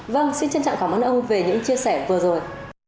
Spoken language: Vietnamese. vâng xin trân trọng cảm ơn ông về những chia sẻ vừa rồi